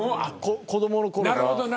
子どものころから。